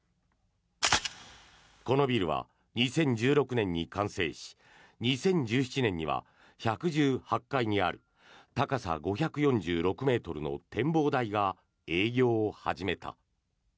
このビルは２０１６年に完成し２０１７年には１１８階にある高さ５４６ｍの展望台が営業を始めた。